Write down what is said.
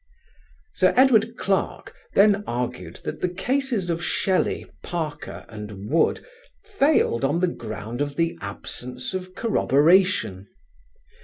Sir Edward Clarke then argued that the cases of Shelley, Parker and Wood failed on the ground of the absence of corroboration.